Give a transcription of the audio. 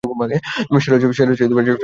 সেরেছে, সে বাহিনী তৈরি করেছে।